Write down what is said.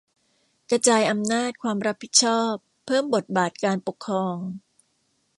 กระจายอำนาจ ความรับผิดชอบ เพิ่มบทบาทการปกครอง